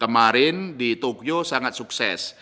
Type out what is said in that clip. kemarin di tokyo sangat sukses